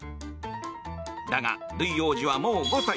だがルイ王子はもう５歳。